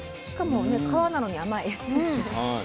しかもね皮なのに甘い。